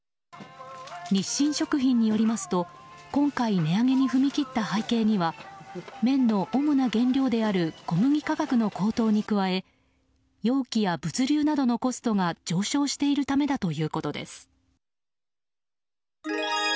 日清食品によりますと今回値上げに踏み切った背景には麺の主な原料である小麦価格の高騰に加え容器や物流などのコストが上昇しているためだ